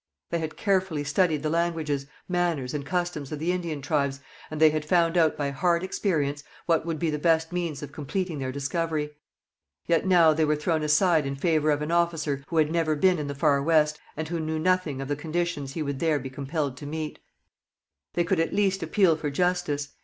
They had carefully studied the languages, manners, and customs of the Indian tribes, and they had found out by hard experience what would be the best means of completing their discovery. Yet now they were thrown aside in favour of an officer who had never been in the Far West and who knew nothing of the conditions he would there be compelled to meet. They could at least appeal for justice.